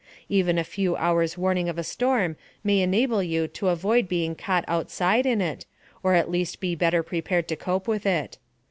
Even a few hours' warning of a storm may enable you to avoid being caught outside in it, or at least be better prepared to cope with it.